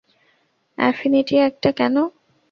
Affinity একটা কেন?